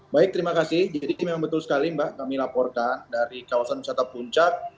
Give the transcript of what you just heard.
baik terima kasih jadi memang betul sekali mbak kami laporkan dari kawasan wisata puncak